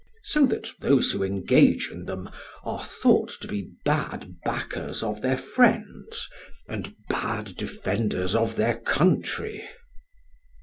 So that those who engage in them are thought to be bad backers of their friends and bad defenders of their country."